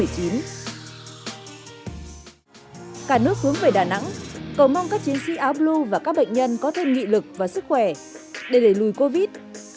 cả nước hướng về đà nẵng cầu mong các chiến sĩ áo blu và các bệnh nhân có thêm nghị lực và sức khỏe để đẩy lùi covid